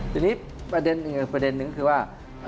เดี๋ยวนี้ประเด็นหนึ่งคือว่า